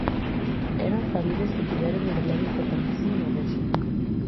Eran familias que tiveron un relevo importantísimo no réxime.